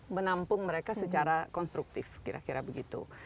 menampung mereka secara konstruktif kira kira begitu